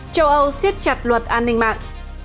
châu âu siết chặt luật an ninh mạng